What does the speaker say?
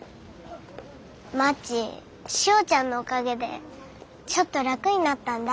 まちしおちゃんのおかげでちょっと楽になったんだ。